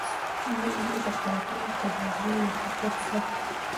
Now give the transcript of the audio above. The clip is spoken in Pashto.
مېلې د فرهنګي تبادلې یو ښه فرصت يي.